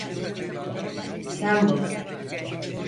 Sen bul.